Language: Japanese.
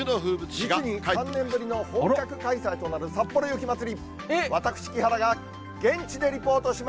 実に３年ぶりの本格開催となるさっぽろ雪まつり。